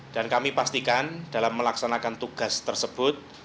dan kami pastikan dalam melaksanakan tugas tersebut